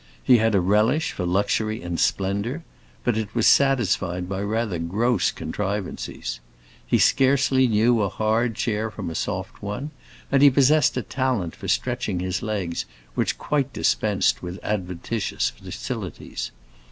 He had a relish for luxury and splendor, but it was satisfied by rather gross contrivances. He scarcely knew a hard chair from a soft one, and he possessed a talent for stretching his legs which quite dispensed with adventitious facilities.